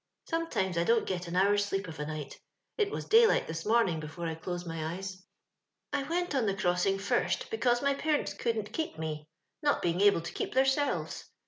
Sometimes I don't get an hour's sleep of a night— it was daylight this morning before I dosed my eyes. " I went on the crossing first because my parents ^couldn't keep mc, not being able to keep theirselves.